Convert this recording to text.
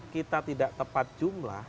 kita tidak tepat jumlah